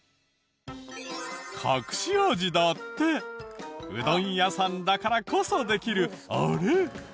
隠し味だってうどん屋さんだからこそできるあれ。